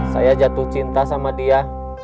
saya jatuh cinta sama dia